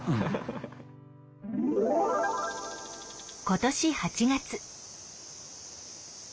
今年８月。